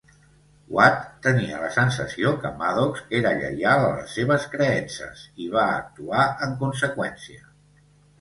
Watt tenia la sensació que Maddox era lleial a les seves creences i va actuar en conseqüència.